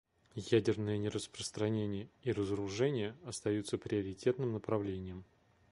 Ядерное нераспространение и разоружение остаются приоритетным направлением.